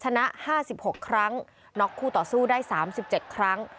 ชนะ๕๖ครั้งน็อกคู่ต่อสู้ได้๓๗ครั้ง